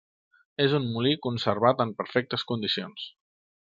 És un molí conservat en perfectes condicions.